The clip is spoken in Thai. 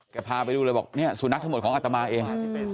พาไปดูเลยบอกเนี่ยสุนัขทั้งหมดของอัตมาเอง